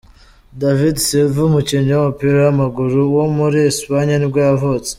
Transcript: David Silva, umukinnyi w’umupira w’amaguru wo muri Espagne nibwo yavutse.